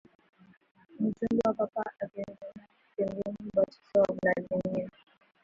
mjumbe wa Papa akinuna pembeni Ubatizo wa Vladimir